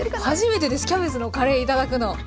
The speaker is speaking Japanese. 初めてですキャベツのカレー頂くの。